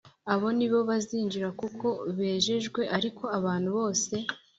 Abo ni bo bazinjira kuko bejejwe ariko abantu bose